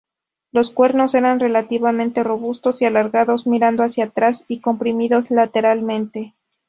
Los cuernos eran relativamente robustos y alargados, mirando hacia atrás y comprimidos lateralmente.